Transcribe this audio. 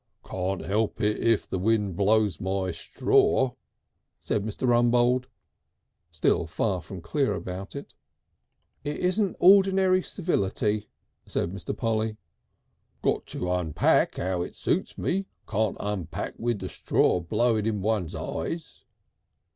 "Can't help it, if the wind blows my stror," said Mr. Rumbold, still far from clear about it.... "It isn't ordinary civility," said Mr. Polly. "Got to unpack 'ow it suits me. Can't unpack with the stror blowing into one's eyes."